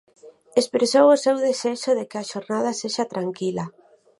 Expresou o seu desexo de que a xornada sexa tranquila.